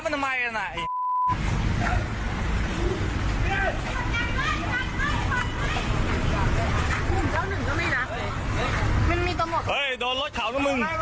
เฮ้ยพอ